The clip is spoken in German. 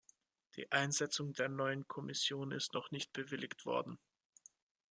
Die Einsetzung der neuen Kommission ist noch nicht bewilligt worden.